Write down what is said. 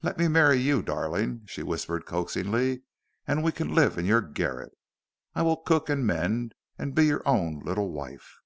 Let me marry you, darling," she whispered coaxingly, "and we can live in your garret. I will cook and mend, and be your own little wife."